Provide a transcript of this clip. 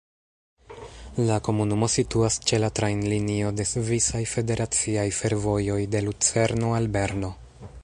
La komunumo situas ĉe la trajnlinio de Svisaj Federaciaj Fervojoj de Lucerno al Berno.